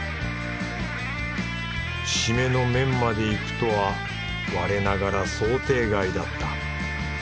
シメの麺までいくとは我ながら想定外だった。